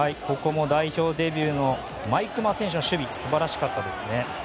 代表デビューの毎熊選手の守備も素晴らしかったですね。